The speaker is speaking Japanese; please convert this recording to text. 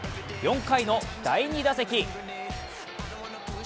４回の第２打席。